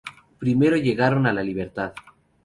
Primero llegaron a La Libertad.